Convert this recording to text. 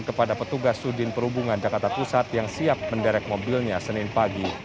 kepada petugas sudin perhubungan jakarta pusat yang siap menderek mobilnya senin pagi